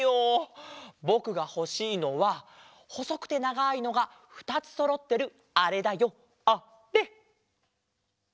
ぼくがほしいのはほそくてながいのがふたつそろってるあれだよあれ！